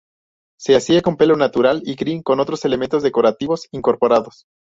Se hacía con pelo natural y crin, con otros elementos decorativos incorporados.